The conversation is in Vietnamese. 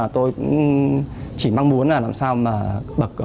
do đó tôi cũng chỉ vang muốn làm sao mà bậc phụ huynh cần phải quan tâm hơn